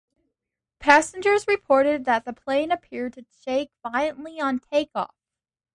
Passengers reported that the plane appeared to shake violently on takeoff.